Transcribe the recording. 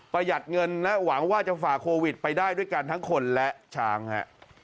หัดเงินและหวังว่าจะฝ่าโควิดไปได้ด้วยกันทั้งคนและช้างฮะ